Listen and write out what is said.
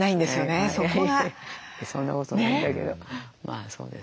そんなことないんだけどまあそうですね。